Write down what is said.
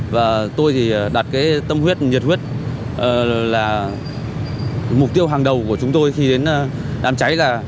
và tôi thì đặt cái tâm huyết nhiệt huyết là mục tiêu hàng đầu của chúng tôi khi đến đám cháy là